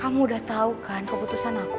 kamu udah tahu kan keputusan aku